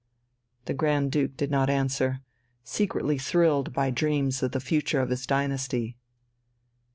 The Grand Duke did not answer, secretly thrilled by dreams of the future of his dynasty.